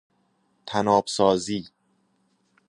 طناب سازی